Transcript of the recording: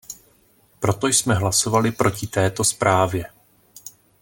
Proto jsme hlasovali proti této zprávě.